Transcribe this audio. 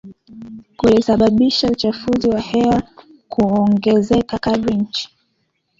kulisababisha uchafuzi wa hewa kuongezeka kadiri nchi